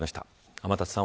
天達さん